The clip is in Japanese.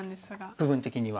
部分的には。